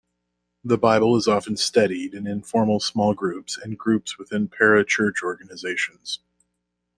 The Bible is often studied in informal small groups, and groups within parachurch organizations.